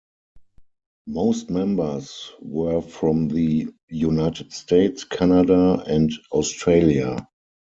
Most members were from the United States, Canada, and Australia.